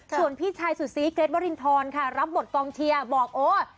ส่วนพี่ชายสุดซีเกรทวรินทรค่ะรับบทกองเชียร์บอกโอ๊ย